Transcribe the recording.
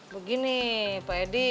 begini pak edi